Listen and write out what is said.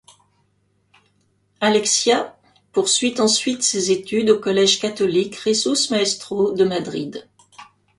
Alexia poursuit ensuite ses études au collège catholique Jesús Maestro de Madrid.